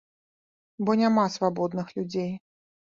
Бо няма свабодных людзей.